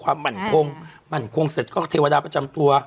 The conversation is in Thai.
ความมั่นคงมั่นคงเสร็จก็เทวดาประจำตัว